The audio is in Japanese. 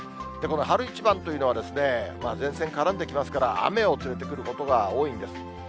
この春一番というのは、前線絡んできますから、雨を連れてくることが多いんです。